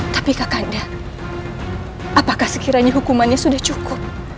tapi kakaknya apakah sekiranya hukumannya sudah cukup